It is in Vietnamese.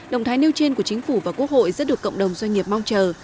động thái nêu trên của chính phủ và quốc hội rất được cộng đồng doanh nghiệp mong chờ